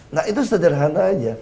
nah itu sederhana aja